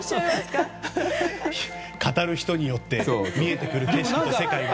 語る人によって見えてくる世界がね。